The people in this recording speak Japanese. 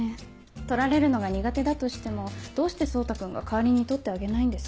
撮られるのが苦手だとしてもどうして蒼汰君が代わりに撮ってあげないんです？